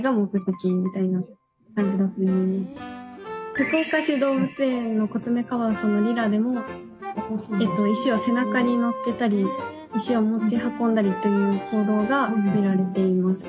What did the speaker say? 福岡市動物園のコツメカワウソのリラでも石を背中にのっけたり石を持ち運んだりという行動が見られています。